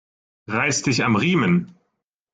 Reiß dich am Riemen